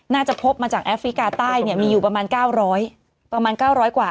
น่าจะพบมาจากแอฟริกาใต้มีอยู่ประมาณ๙๐๐กว่า